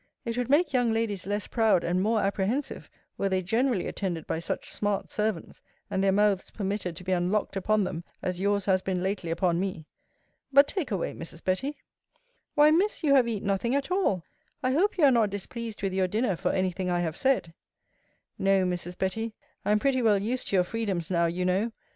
It would make young ladies less proud, and more apprehensive, were they generally attended by such smart servants, and their mouths permitted to be unlocked upon them as yours has been lately upon me. But, take away, Mrs. Betty. Why, Miss, you have eat nothing at all I hope you are not displeased with your dinner for any thing I have said. No, Mrs. Betty, I am pretty well used to your freedoms now, you know.